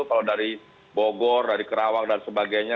kalau dari bogor dari kerawang dan sebagainya